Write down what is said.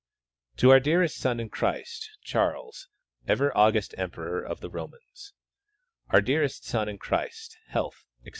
To our dearest son in Christ, Charles, ever august emperor of the Romans : Our dearest son in Christ, health, etc.